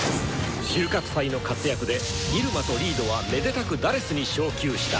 収穫祭の活躍で入間とリードはめでたく「４」に昇級した。